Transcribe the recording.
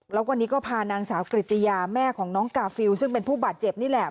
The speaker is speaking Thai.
แล้ววันนี้ก็พานางสาวกริตยาแม่ของน้องกาฟิลซึ่งเป็นผู้บาดเจ็บนี่แหละ